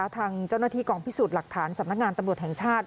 ทางเจ้าหน้าที่กองพิสูจน์หลักฐานสำนักงานตำรวจแห่งชาติ